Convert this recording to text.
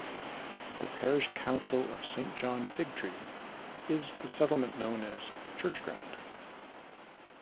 The parish capital of Saint John Figtree is the settlement known as Church Ground.